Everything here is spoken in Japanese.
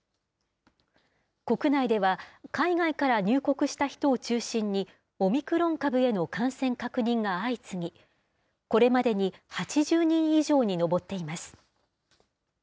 国内では、海外から入国した人を中心にオミクロン株への感染確認が相次ぎ、これまでに８０人以上に上っています。